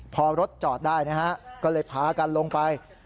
พอรถจอดได้นะฮะก็เลยพากันลงไป